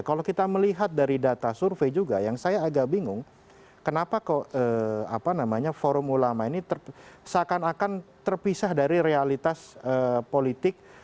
kalau kita melihat dari data survei juga yang saya agak bingung kenapa kok forum ulama ini seakan akan terpisah dari realitas politik